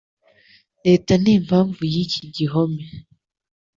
leta n'impamvu y'iki gihome